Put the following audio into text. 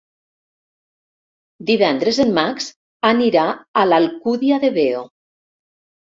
Divendres en Max anirà a l'Alcúdia de Veo.